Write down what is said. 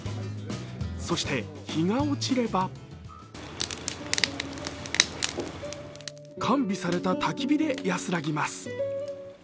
そして、日が落ちれば完備されたたき火で安らぎます。